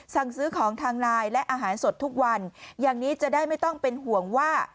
สั่งซื้อของทางไลน์และอาหารสดทุกวันอย่างนี้จะได้ไม่ต้องเป็นห่วงว่า